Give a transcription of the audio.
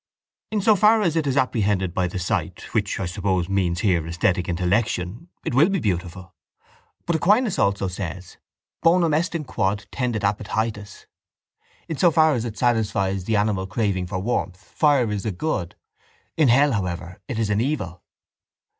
—In so far as it is apprehended by the sight, which I suppose means here esthetic intellection, it will be beautiful. But Aquinas also says Bonum est in quod tendit appetitus. In so far as it satisfies the animal craving for warmth fire is a good. In hell, however, it is an evil.